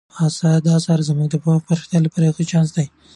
دا اثر زموږ د پوهې د پراختیا لپاره یو ښه چانس دی.